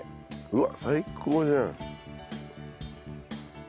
うわっ最高じゃん。